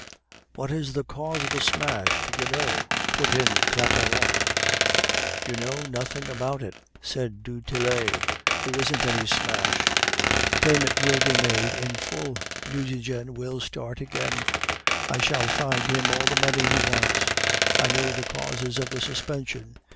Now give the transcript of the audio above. "'What is the cause of the smash; do you know?' put in Claparon. "'You know nothing about it,' said du Tillet. 'There isn't any smash. Payment will be made in full. Nucingen will start again; I shall find him all the money he wants. I know the causes of the suspension.